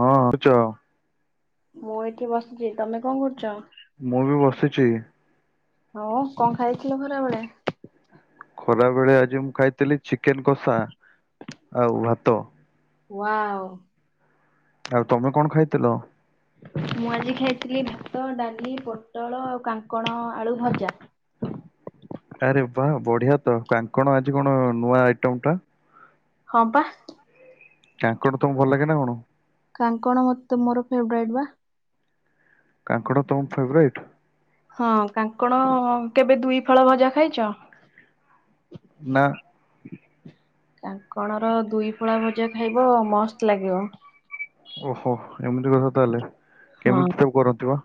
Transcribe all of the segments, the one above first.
ହଁ ଆଚ୍ଛା। ମୁଁ ଏଠି ବସିଛି। ତମେ କଣ କରୁଛ? ମୁଁ ବି ବସିଛି। ହଁ କଣ ଖାଇଥିଲ ଖରା ବେଳେ? ଖରା ବେଳେ ଆଜି ମୁଁ ଖାଇଥିଲି ଚିକେନ କଷା ଆଉ ଭାତ। ୱାଓ। ଆଉ ତମେ କଣ ଖାଇଥିଲ? ହ ମୁଁ ଆଜି ଖାଇଥିଲି ଭାତ, ଡାଲି, ପୋଟଳ ଆଉ କାଙ୍କଣ ଆଳୁ ଭଜା। ହଁ ଆରେ ବା ବଢିଆ ତ କାଙ୍କଣ ଆଜି କଣ ନୂଆ ଆଇଟମ ଟା? ହଁ ବା। କାଙ୍କଣ ତମକୁ ଭଲ ଲାଗେ ନା କଣ? କାଙ୍କଣ ମତେ ମର ଫେବରାଇଟ ବା। କାଙ୍କଡ଼ ତମ ଫେବରାଇଟ। ହଁ କାଙ୍କଣ କେବେ ଦୁଇ ଫାଳ ଭଜା ଖାଇଛ? ନା। କାଙ୍କଣ ର ଦୁଇ ଫଳା ଭଜା ଖାଇବ ମସ୍ତ ଲାଗିବ। ଓହୋ ଏମିତି କଥା ତାହେଲେ ହଁ। କେମିତି ସବୁ କରନ୍ତି ବା।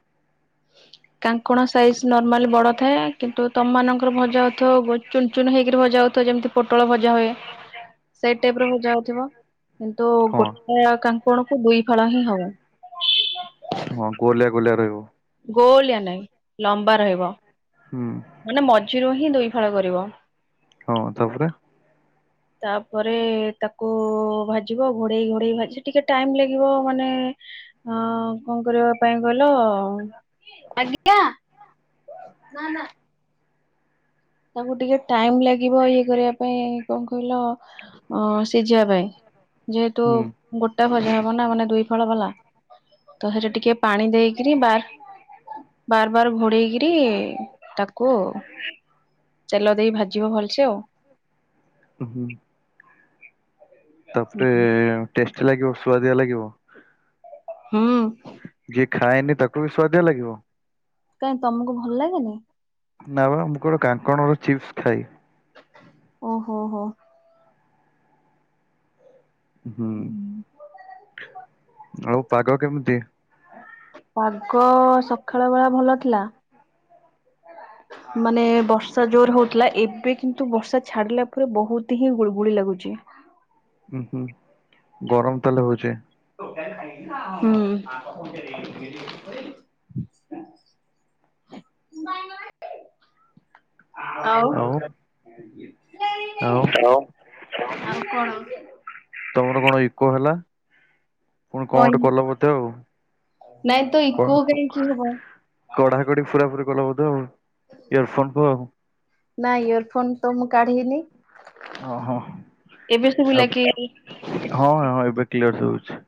କାଙ୍କଣ ସାଇଜ ନର୍ମାଲି ବଡ ଥାଏ କିନ୍ତୁ ତମମାନଙ୍କର ଭଜା ଅ ତ ଗୋ ଚୁନ ଚୁନ ହେଇକିରି ଭଜା ହଉଥିବ ଯେମିତି ପୋଟଳ ଭଜା ହୁଏ। ସେଇ ଟାଇପ ର ଭଜା ହଉଥିବ। କିନ୍ତୁ ହଁ ଗୋଟା କାଙ୍କଣ କୁ ଦୁଇ ଫଳା ହିଁ ହବ। ହଁ ଗୋଲିଆ ଗୋଲିଆ ରହିବ। ଗୋଲିଆ ନାଇଁ ଲମ୍ବା ରହିବ। ହୁଁ ମାନେ ମଝିରୁ ହିଁ ଦୁଇ ଫାଳ କରିବ। ହଁ ତାପରେ। ତାପରେ ତାକୁ ଭାଜିବ ଘୋଡେଇ ଘୋଡେଇ ଭାଜି ଟିକେ ଟାଇମ ଲାଗିବ ମାନେ ହଁ କଣ କରିବା ପାଇଁ ଗଲ ଆ ନା ନା। ତାକୁ ଟିକେ ଟାଇମ ଲାଗିବ ଇଏ କରିବା ପାଇଁ କଣ କହିଲ ଅ ସିଝିବା ପାଇଁ। ଯେହେତୁ ହୁଁ ଗୋଟା ଭଜା ହବ ନା ମାନେ ଦୁଇ ଫଳ ବାଲା ତ ସେଠରେ ଟିକେ ପାଣି ଦେଇକି ବାର ବାର ଭୋଡେଇକରି ତାକୁ ତେଲ ଦେଇ ଭାଜିବ ଭଲସେ ଆଉ। ହୁଁ। ହୁଁ ତାପରେ ଟେଷ୍ଟି ଲାଗିବ ସୁଆଦିଆ ଲାଗିବ। ହଁ। ଯିଏ ଖାଏନି ତାକୁ ବି ସୁଵାଦିଆ ଲାଗିବ। କାଇହିଁ ତମକୁ ଭଲ ଲାଗେନି। ନା ବା ମୁଁ କଟେ କାଙ୍କଣ ର ଚିପ୍ସ ଖାଇବି। ଓହୋ ହୋ। ହୁଁ। ହୋଉ ପାଗ କେମିତି? ପାଗ ସକାଳ ବେଳା ଭଲ ଥିଲା ମାନେ ବର୍ଷା ଜୋର ହୋଉଥିଲା ଏବେ କିନ୍ତୁ ବର୍ଷା ଛାଡିଲା ପରେ ବହୁତ ହିଁ ଗୁଳ ଗୁଳି ଲାଗୁଛି। ଚି ହୁଁ ହୁଁ ଗରମ ତାହଲେ ହଉଛି। ହୁଁ। ଆଉ ଆଉ ଆଉ କଣ? ତମର କଣ ଇକୋ ହେଲା। ଫୁଣି କଣ କହି ଗୋଟେ କଲ ବୋଧେ ଆଉ। ନାଇଁ ତ କ ଇକୋ କାହିଁକି ହବ କଢା କଢି ପୁରା ପୁ କଲା ବୋଧ ଆଉ ଇୟରଫୋନ କୁ ଆଉ ନାଇଁ ଇୟର ଫୋନ ତ ମୁଁ କାଢିନି। ହଁ ହଁ ଏବେ ଆ ଶୁଭିଲା କି? ହଁ ହଁ ଏବେ କ୍ଲିୟର ଶୁଭୁଚି।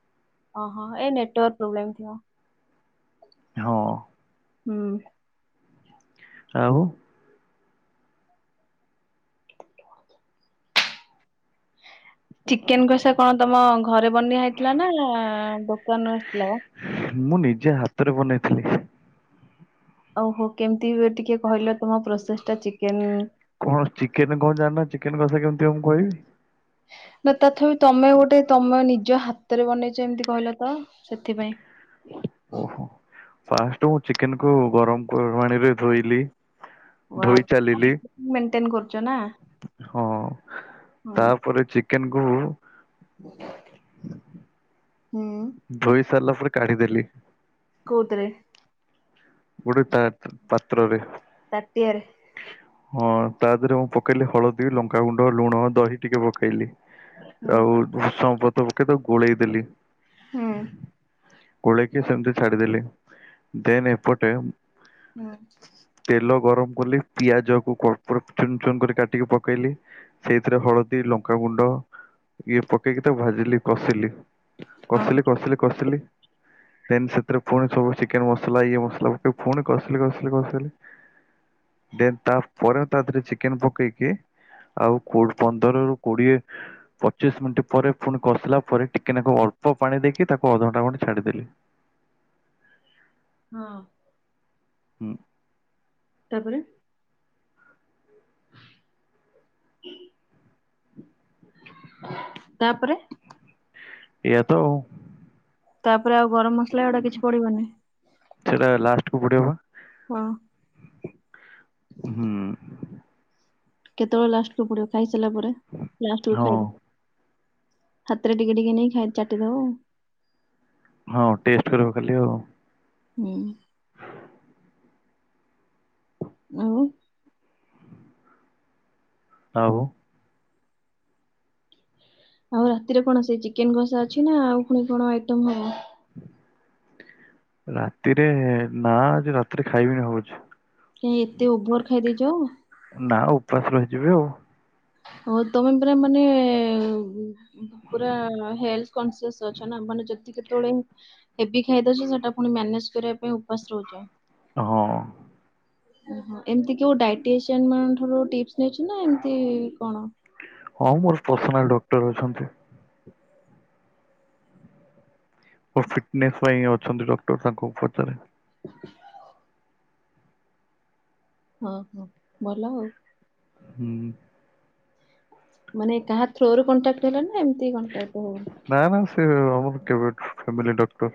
ଅହ ଏଇ ନେଟୱାର୍ ପ୍ରୋବ୍ଲେମ୍ ଥିବ। ହଁ। ହୁଁ। ଆଉ ଚିକେନ କଷା କଣ ତମ ଘରେ ବନା ହେଇଥିଲା ନା ଦୋକାନରୁ ଆସିଥିଲା ବା? ମୁଁ ନିଜେ ହାତରେ ବନେଇଥିଲି। ଓ ହୋ କେମିତି ଟିକେ କହିଲ ତମ ପ୍ରୋସେସ ଟା ଚିକେନ କଣ ଚିକେନ କଣ ଜାଣ ନା ଚିକେନ କଷା କେମିତି ହବ ମୁଁ କହିବି। ନା ତଥାପି ତମେ ଗୋଟେ ତମେ ନିଜ ହାତରେ ବନେଇଛ ଏମିତି କହିଲ ତ ସେଥିପାଇଁ। ହଁ ଓହୋ ଫାଷ୍ଟ ମୁଁ ଚିକେନକୁୁ ଗରମ ପାଣିରେ ଧୋଇଲି ୱାଓ ଧୋଇ ଚାଲିଲି ମେଣ୍ଟେନ କରୁଛ ନା ହଁ। ହଁ ତାପରେ ଚିକେନ କୁ ହୁଁ। ସଲା ପରେ କାଢ଼ି ଦେଲି। କୋଉଥିରେ? ଗୋଟେ ତା ପାତ୍ରରେ। ତାଟିଆରେ। ହଁ ତା ଦେହରେ ମୁଁ ପକେଇଲି ହଳଦୀ ଲଙ୍କାଗୁଣ୍ଡ ଲୁଣ ଦହି ଟିକେ ପକାଇଲି। ହୁଁ ଆଉ ଭୃସଙ୍ଗ ପତର ପକେଇ କି ତାକୁ ଗୋଳେଇଦେଲି। ହୁଁ। କୋଳେଇକି ସେମିତି ଛାଡିଦେଲି ଦେନ ଏପଟେ। ହୁଁ। ତେଲ ଗରମ କ ପିଆଜ କଟ ଚୂନ ଚୂନ କରିକି ପକେଇଲି ସେଇଥିରେ ହଳଦି ଲଙ୍କା। ଲଙ୍କାଗୁଣ୍ଡ ଇଏ ପକେଇକି ତାକୁ ଭାଜିଲି କଷିଲି। ଓହୋ କସିଲି କସିଲି କସିଲି ଦେନ ସେଥିରେ ପୁଣି ସବୁ ଚିକେନ ମସଲା ଇଏ ମସଲା ଏ ପୁଣି କସିଲି କସିଲି କସିଲି। ଦେନ୍ ତା ପରେ ତା ଦିରେ ଚିକେନ ପକେଇକି। ଆଉ କୋଡ ପନ୍ଦରରୁୁ କୋଡିଏ ପଚିଶ ମିନିଟ୍ ପରେ ଫୁଣି କସିଲା ପରେ ଟିକେ ନାକ ଅଳ୍ ପ ପାଣି ଦେଇକି ତାକୁ ଅଧ ଘଣ୍ଟା ଖଣ୍ଡେ ଛାଡିଦେଲି। ହଁ। ହୁଁ। ତାପରେ। [inaudible] ତାପରେ। ଏୟା ତ ଆଉ। ତାପରେ ଆଉ ଗରମ ମସଲା ଗୁଡା କିଛି ପଡିବନି। ସେଟା ଲାଷ୍ଟ କୁ ପଡିବ ବା। ହଁ। ହୁଁ। କେତେବେଳେ ଲାଷ୍ଟକୁୁ ପଡିବ ଖାଇସାରିଲା ପରେ ଲାଷ୍ଟ କୁ ହଁ ଖାଇଦ ହାତରେ ଟିକେ ଟିକେ ନେଇ ଖାଇ ଚାଟିଦବ ଆଉ। ହଁ ଟେଷ୍ଟ କରିବୁ ଖାଲି ଆଉ। ହୁଁ। ଆଉ। ଆଉ। ଆଉ ରାତିରେ କଣ ସେଇ ଚିକେନ କଷା ଅଛି ନା ଆଉ ପୁଣି କଣ ଆଇଟମ ହବ। ରାତିରେ ନା ଆଜି ରାତିରେ ଖାଇବିନି ଭାବୁଛି। କାଇଁ ଏତେ ଓଭର ଖାଇଦେଇଛ। ନା ଉପାସ ରହିଯିବି ଆଉ। ହ ତମେ ପରା ମାନେ ପୁରା ହେଲଥ କନସିଅସ ଅଛ ନା ଯଦି କେତେବେଳେ ହେଭି ଖାଇଦଉଛ ସେଟା ପୁଣି ମ୍ୟାନେଜ କରିବା ପାଇଁ ଉପାସ ରହୁଛ। ହଁ। ଏମିତି କଉ ଡାଏଟେସିଅନ ମାନଙ୍କ ଠାରୁ ଟିପସ ନେଇ ଚ ନା ଏମତି କଣ। ହଁ ମୋର ପର୍ସନାଲ ଡକ୍ଟର ଅଛନ୍ତି। ଫିଟନେସ ପାଇଁ ଅଛନ୍ତି ଡକ୍ଟର ତାଙ୍କୁ ପଚାରେ। [inaudible] ହଁ ଭଲ ଆଉ। ହୁଁ। ମାନେ କାହା ଥ୍ରୋରୁ କଣ୍ଟାକ୍ଟ ହେଲ ନା ଏମିତି କଣ୍ଟାକ୍ଟ ହଉ। ମୋର କେବେଠୁ ଫ୍ୟାମିଲି ଡକ୍ଟର।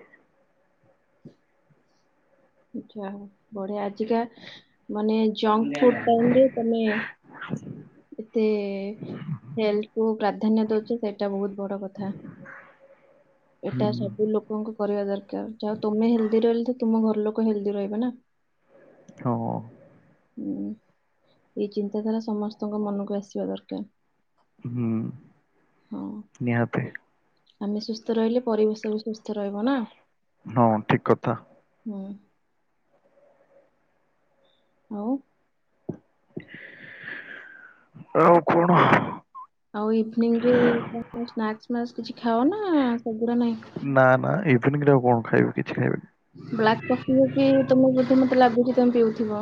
ଆଛା ବଢ଼ିଆ। ମାନେ ଜଙ୍କ ଫୁଡ ଟାଇମରେ ତମେ। ଏତେ। ହେଲଥ କୁ ପ୍ରାଧାନ୍ୟ ଦଉଛି ସେଇଟା ବହୁତ ବଡ କଥା। ଏଇଟା ହୁଁ ସବୁ ଲୋକଙ୍କୁ କରିବା ଦରକାର ଯାହା ତୁମେ ହେଲଦି ରହିଲ ତୁମ ଘର ଲୋକ ହେଲ୍ଦି ରହିବେ ନା। ଓ। ହୁଁ, ଏଇ ଚିନ୍ତାଧାରା ସମସ୍ତଙ୍କ ମନକୁ ଆସିବା ଦରକାର। ହୁଁ, ହଁ ନିହାତି। ଆମେ ସୁସ୍ଥ ରହିଲେ ପରିବେଶ ବି ସୁସ୍ଥ ରହିବ ନା, ହଁ ଠିକ କଥା। ହୁଁ। ଆଉ? ଆଉ କଣ? ଆଉ ଇଭନିଙ୍ଗ ରେ ସ୍ନାକ୍ସ ଫ୍ନାକ୍ସ କିଛି ଖାଅ ନା ସେଗୁଡା ନାହିଁ ନା ନା ଇଭିନିଂରେ ଆଉ କଣ ଖାଇବି, କିଛି ଖାଇବିନି। ବ୍ଲାକ୍ କଫି ପଫି ତମକୁ ବୋଧେ ମତେ ଲାଗୁଛି ତମେ ପିଉଥିବ।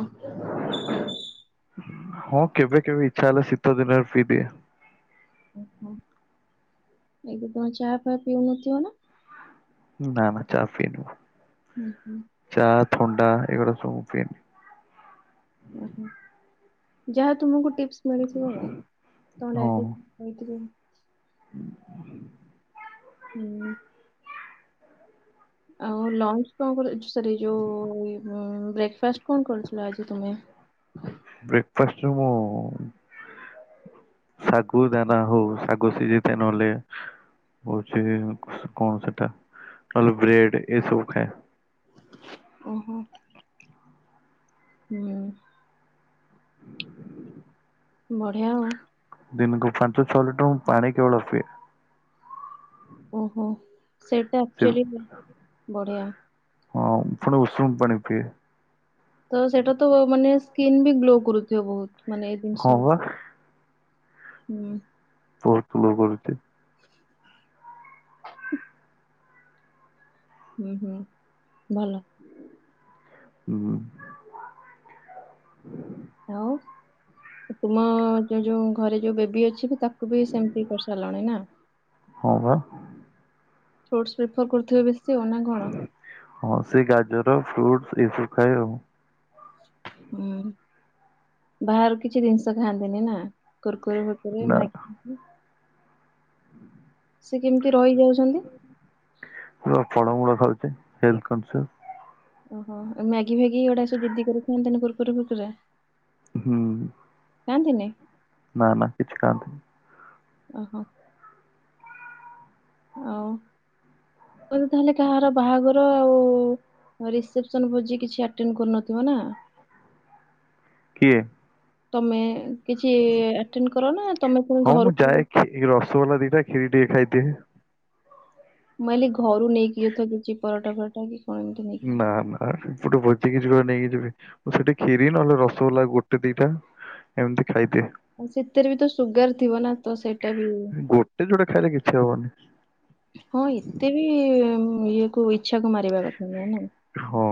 ହଁ କେବେ କେବେ ଇଚ୍ଛା ହେଲା ଶୀତ ଦିନରେ ପିଦିଏ। ଏ ତମେ ଚା ଫା ପିଉନଥିବ ନା? ନା ନା ଚା ପାଏନି ମୁଁ। ହୁଁ ହୁଁ। ଚା ଥଣ୍ଡା ଏଗୁଡ଼ା ସବୁ ପିଏନି। ଓହୋ ଯାହା ତୁମକୁ ଟିପ୍ସ ମିଳିଥିବ ଆଉ, ତମ ଡାଇଟିସିଆନ କହିଥିବ। ହ ହ ହୁଁ। ଆଉ ଲଞ୍ଚ କଣ କର ସରି ଯୋଉ-ଉ-ଉ ବ୍ରେକ ଫାଷ୍ଟ କଣ କରିଥିଲ ଆଜି ତୁମେ? ବ୍ରେକଫାଷ୍ଟରେ ମୁଁ ଶାଗୁ ଦାନା ହଉ ଶାଗୁ ସିଝେଇ ଥାଏ ନହେଲେ ହଉଛି କଣ ସେଟା ନହେଲେ ବ୍ରେଡ ଏ ସବୁ ଖାଏ। ଓହୋ। ହୁଁ। ହୁଁ ହ ବଢିଆ ଆଉ। ଦିନକୁ ପାଞ୍ଚ ଛଅ ଲିଟର ମୁଁ ପାଣି କେବଳ ପିଏ। ଓହୋ ସେଟା ସେ ଆକଚୁଆଲି ବଢ଼ିଆ। ଉଷୁମ୍ ପାଣି ପିଏ। ତ ସେଇଟା ତ ମାନେ ସ୍କିନ୍ ବି ଗ୍ଲୋ କରୁଥିବ ବହୁତ, ମାନେ ଏ ହଁ ଜିନିଷ ବା ହୁଁ। [unintelligible] ଫଲୋ କରୁଛି। ହୁଁ ହୁଁ ଭଲ। ହୁଁ। ଆଉ ତୁମ ଯୋଉ ଯୋଉ ଘରେ ଯୋଉ ବେବି ଅଛି ବି ତାକୁ ତାକୁ ବି ସେମିତି କରିସାରିଲଣି ନା? ହଁ ବା ଫ୍ରୁଟଶ୍ ପ୍ରିଫର କରୁଥିବ ବେଶ ହଁ ସେ ଗାଜର ଫ୍ରୁଟଶ୍ ଏସବୁ ଖାଏ ଆଉ। ହଁ, ବାହାରୁ କିଛି ଜିନିଷ ଖାଆନ୍ତିନି ନା? କୁର୍କୁରି ଫର୍କୁରୀ ନା [unintelligible] ସିକିମ୍ କେ ଫଳ ମୂଳ ଖାଉଚି, ହେଲଥ କଂସୀଅସ। ଓହୋ ମ୍ୟାଗି ଫ୍ୟାଗି ଏଗୁଡା ସବୁ ଜିଦି କରି ଖାଆନ୍ତନି କୁର୍କୁରି ଫୁର୍କୁରି? ହୁଁ। ଖନ୍ତିନି? ନା ନା କିଛି ଖାନ୍ତିନୀ। ଓ ହୋ। ଆଉ ଆପଣ ତାହେଲେ କାହାର ବାହାଘର ଆଉ ରିସେପସନ ଭୋଜି କିଛି ଆଟେନେ କରୁନଥିବ ନା କିଏ? ତମେ କିଛି ଆଟେନେ କର ନା ତମେ ପୁଣି ହଁ ମୁଁ ଘରକୁ ଟି ମୁଁଅଇଲି ଘରୁ ନେଇକି ଯଥ ଯଛି ପରଟା ଫରଟା କି କଣ ଏମିତି ନେଇକି ନା ନା ପୁଟେ ଭୋଜି କି ଯିବ ନେଇକି ଯିବି ସେଠି କ୍ଷୀରି ନହେଲେ ରସଗୋଲା ଗୋଟେ ଦିଟା ଏମିତି ଖାଇ ଆଉ ସେଥିରେ ବି ତ ସୁଗାର ଥିବ ନା ତ ସେଇଟା ବି ସେବନି ହଁ ଏତେ ବି ଇଏ କ ଇଛା କ ମାରିବା କଥା ନୁହେଁ ନା ହଁ।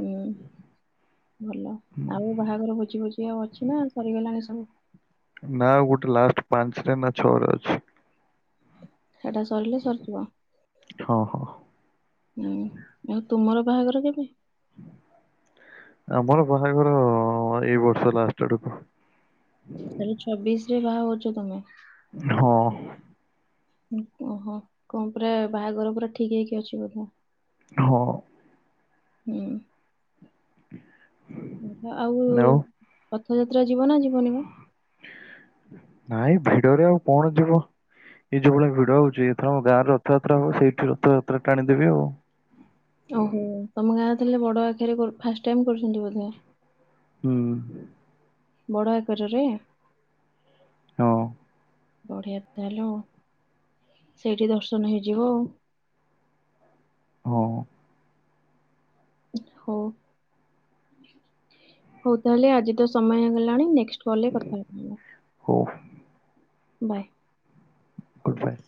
ହୁଁ ଭଲ ଆଉ ବାହାଘର ଭୋଜି ଭୋଜି ଆଉ ଅଛି ନା ସରିଗଲାଣି ସବୁ ନା ଗୋଟେ ଲାଷ୍ଟ ପାଞ୍ଚରେ ନା ଛଅ ରେ ଅଛି ସେଟା ସରିଲେ ହଁ ହଁ। ସରିଯିବ ହୁଁ ତୁମର ବାହାଘର କେବେ? ଆମର ବାହାଘର ଏଇ ବର୍ଷ ଲାଷ୍ଟ ଆଡକୁ ତା ହେଲେ ଛବିଶ ରେ ବାହାହଉଛ ତମେ ହଁ ଓହୋ କଣ ପୁରା ବାହାଘର ପୁରା ଠିକ ହେଇକି ଅଛି ବୋଧେ ହଁ ହୁଁ ଆଉ ରଥଯାତ୍ରା ଯିବ ନା ଯିବନି ମ ନାଇଁ ଭିଡରେ ଆଉ କଣ ଯିବ ଏଇ ଯୋଉ ଭଳିଆ ଭିଡ ହଉଛି ଏଥର ଆମ ଗାଁ ରେ ରଥଯାତ୍ରା ହବ ସେଇଠି ରଥଯାତ୍ରା ଟାଣିଦେବି ଆଉ ଓହୋ ତମ ଗାଁ ତା ଲେ ବଡ ଆକାରେ କରୁ ଫାଷ୍ଟ ଟାଇମ କରୁଛନ୍ତି ବଧ ହୁଁ ବଡ଼ ଏକରରେ ହଁ ବଢିଆ ତାହଲ ସେଇଠି ଦର୍ଶନ ହେଇଯିବ ଆଉ ହଁ ହୋଉ ହଉ ତାହେଲେ ଆଜି ତ ସମୟ ହେଇଗଲାଣି ନେକ୍ସଟ୍ କଲ୍ କଥାବାର୍ତ୍ ଓ ହୋ ବାଏ ଗୁଡ଼ ବାଏ